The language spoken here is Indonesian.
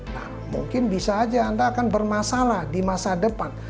nah mungkin bisa aja anda akan bermasalah di masa depan